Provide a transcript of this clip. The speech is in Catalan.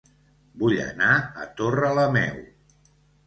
Vull anar a Torrelameu